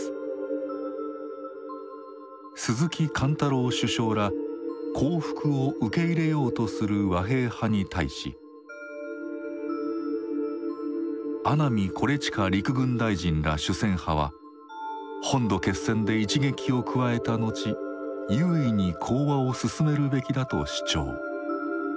鈴木貫太郎首相ら降伏を受け入れようとする和平派に対し阿南惟幾陸軍大臣ら主戦派は本土決戦で一撃を加えた後優位に講和をすすめるべきだと主張。